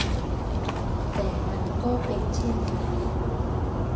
แต่มันก็เป็นเช่นนั้น